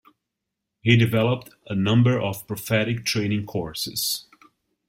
He developed a number of prophetic training courses.